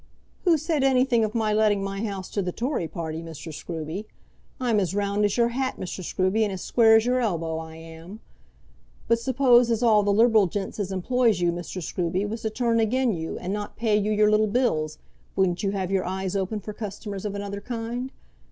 "Who said anything of my letting my house to the Tory party, Mr. Scruby? I'm as round as your hat, Mr. Scruby, and as square as your elbow; I am. But suppose as all the liberal gents as employs you, Mr. Scruby, was to turn again you and not pay you your little bills, wouldn't you have your eyes open for customers of another kind?